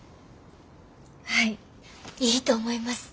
はいいいと思います。